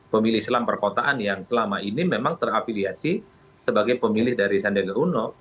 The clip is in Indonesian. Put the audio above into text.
pemilih islam perkotaan yang selama ini memang terafiliasi sebagai pemilih dari sandega uno